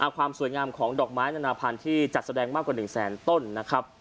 ความสวยงามของดอกไม้นานาพันธุ์ที่จัดแสดงมากกว่า๑แสนต้นนะครับ